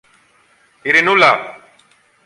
Ειρηνούλα!